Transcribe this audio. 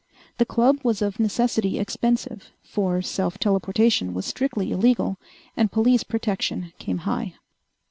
The club was of necessity expensive, for self telportation was strictly illegal, and police protection came high.